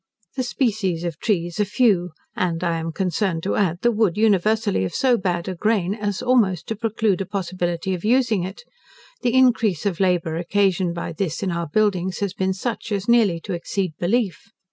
The species of trees are few, and, I am concerned to add, the wood universally of so bad a grain, as almost to preclude a possibility of using it: the increase of labour occasioned by this in our buildings has been such, as nearly to exceed belief.